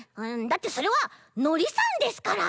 だってそれはのりさんですから！